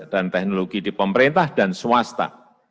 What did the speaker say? teknologi di pemerintah dan swasta